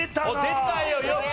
出たよよく。